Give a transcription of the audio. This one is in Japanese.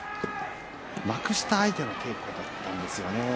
幕下相手の稽古だったんですよね。